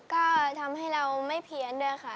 ก็ทำให้เราไม่เพี้ยนด้วยค่ะ